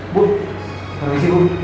bu permisi bu